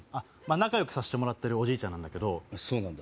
仲良くさしてもらってるおじいちゃんなんだけどそうなんだ